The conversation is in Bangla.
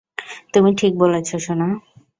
তুমি ঠিক বলেছ সোনা।